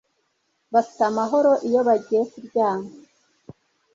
Bafite amahoro iyo bagiye kuryama